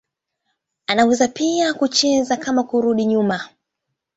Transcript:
Anaweza pia kucheza kama kurudi nyuma.